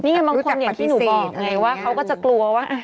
นี่ไงบางคนอย่างที่หนูบอกไงว่าเขาก็จะกลัวว่า